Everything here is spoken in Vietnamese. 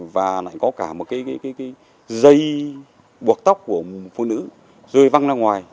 và có cả một dây buộc tóc của một phụ nữ rơi văng ra ngoài